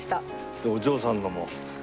でお嬢さんのも。